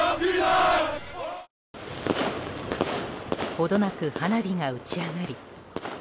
ほどなく花火が打ち上がり。